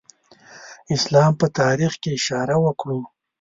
اسلام په تاریخ کې اشاره وکړو.